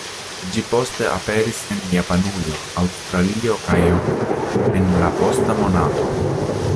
Ĝi poste aperis en Japanujo, Aŭstralio kaj Eŭropo en la posta monato.